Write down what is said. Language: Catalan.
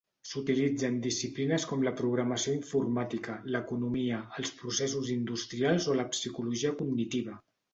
S'utilitza en disciplines com la programació informàtica, l'economia, els processos industrials o la psicologia cognitiva.